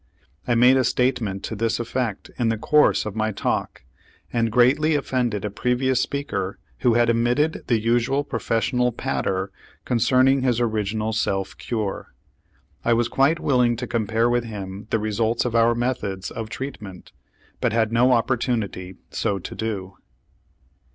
I made a statement to this effect in the course of my talk and greatly offended a previous speaker who had emitted the usual professional patter concerning his original self cure. I was quite willing to compare with him the results of our methods of treatment, but had no opportunity so to do.